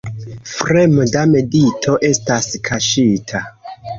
Fremda medito estas kaŝita.